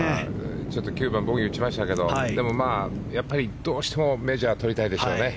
ちょっと９番ボギーを打ちましたけどどうしてもメジャーを取りたいでしょうね。